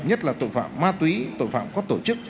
nhất là tội phạm ma túy tội phạm có tổ chức